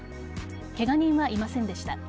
ケガ人はいませんでした。